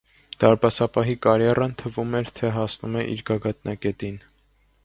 Դարպասապահի կարիերան թվում էր թէ հասնում էր իր գագաթնակետին։